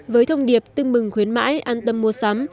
với thông điệp tưng mừng khuyến mãi an tâm mua sắm